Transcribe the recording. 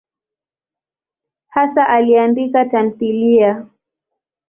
Hasa aliandika tamthiliya.